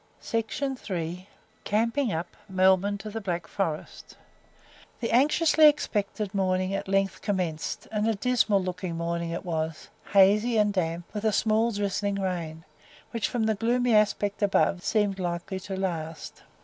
Chapter IV. CAMPING UP MELBOURNE TO THE BLACK FOREST The anxiously expected morning at length commenced, and a dismal looking morning it was hazy and damp, with a small drizzling rain, which, from the gloomy aspect above, seemed likely to last.